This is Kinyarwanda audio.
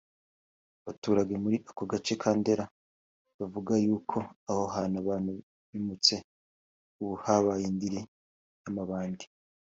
Abaturage muri ako gace ka Ndera bakavuga yuko aho hantu abantu bimutse ubu habaye indiri y’amabandi